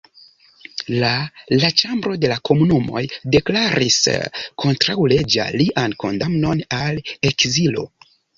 La la Ĉambro de la Komunumoj deklaris kontraŭleĝa lian kondamnon al ekzilo.